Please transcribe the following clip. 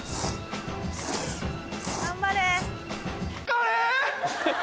頑張れ。